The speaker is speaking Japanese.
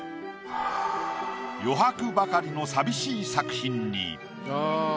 余白ばかりの寂しい作品に。